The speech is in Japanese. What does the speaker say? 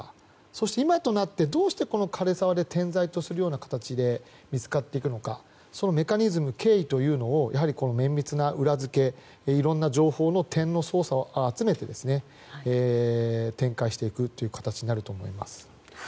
そして、今となってどうして枯れ沢で点在となって見つかっていくのかそのメカニズム、経緯というのを綿密な裏付けでいろんな情報の点を集めて展開していく形になると思います。